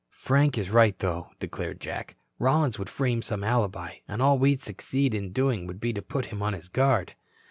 "Frank is right, though," declared Jack. "Rollins would frame some alibi, and all we'd succeed in doing would be to put him on his guard."